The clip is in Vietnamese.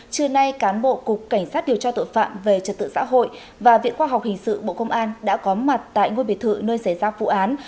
trưa nay cán bộ cục cảnh sát điều tra tội phạm về trật tự xã hội và viện khoa học hình sự bộ công an đã có mặt tại ngôi biệt thự nơi xảy ra vụ án